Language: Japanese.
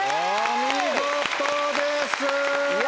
お見事です！